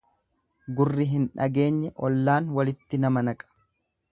Gurri hin dhageenye ollaan walitti nama naqa.